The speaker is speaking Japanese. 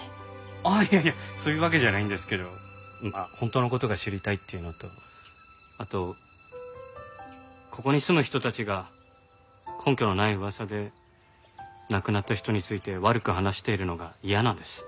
あっいやいやそういうわけじゃないんですけど本当の事が知りたいっていうのとあとここに住む人たちが根拠のない噂で亡くなった人について悪く話しているのが嫌なんです。